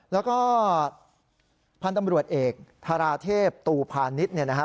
แล้วก็พันธุ์ตำรวจเอกธาราเทพตูพาณิชย์เนี่ยนะครับ